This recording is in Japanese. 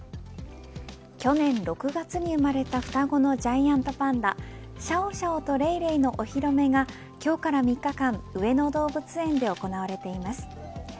去年６月に生まれた双子のジャイアントパンダシャオシャオとレイレイのお披露目が今日から３日間上野動物園で行われています。